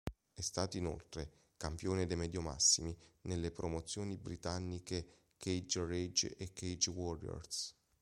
È stato inoltre campione dei mediomassimi nelle promozioni britanniche Cage Rage e Cage Warriors.